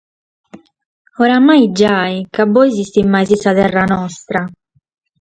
Oramai giai, ca bois istimades sa terra nostra.